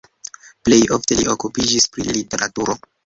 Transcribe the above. Plej ofte li okupiĝis pri literaturo.